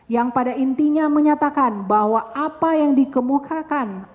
yang pada intinya menyatakan bahwa apa yang dikemukakan